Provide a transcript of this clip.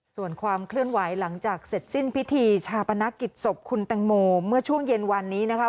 ส่วนความเคลื่อนไหวหลังจากเสร็จสิ้นพิธีชาปนกิจศพคุณแตงโมเมื่อช่วงเย็นวันนี้นะคะ